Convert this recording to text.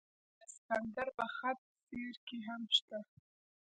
دا خبرې د سکندر په خط سیر کې هم شته.